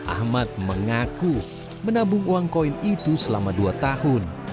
ahmad mengaku menabung uang koin itu selama dua tahun